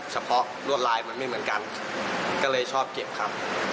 เฉพาะรวดลายมันไม่เหมือนกันก็เลยชอบเก็บครับ